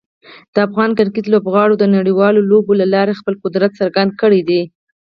د افغان کرکټ لوبغاړو د نړیوالو لوبو له لارې خپل قدرت څرګند کړی دی.